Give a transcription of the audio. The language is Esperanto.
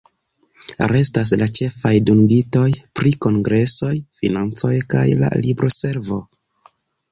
Restas la ĉefaj dungitoj pri Kongresoj, financoj kaj la libroservo.